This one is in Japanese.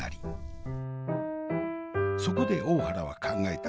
そこで大原は考えた。